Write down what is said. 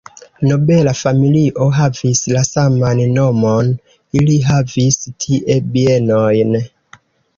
Nobela familio havis la saman nomon, ili havis tie bienojn.